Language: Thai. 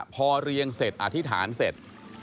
พอเรียงเสร็จอธิษฐานเสร็จ